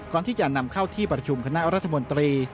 ก่อนที่จะนำเข้าที่ประชุมคณะรัฐมนตรี